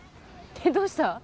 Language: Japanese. どうした？